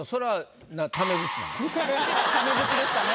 タメ口でしたね。